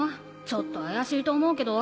ちょっと怪しいと思うけど。